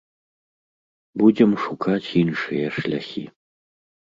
Будзем шукаць іншыя шляхі.